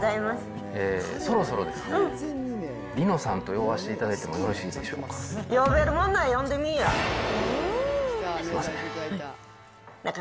そろそろですね、梨乃さんと呼ばしていただいてもよろしいでしょうか？